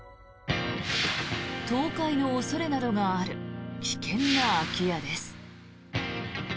倒壊の恐れなどがある危険な空き家です。